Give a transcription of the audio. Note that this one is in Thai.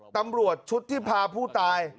ตำรวจชุดที่พาผู้ตาย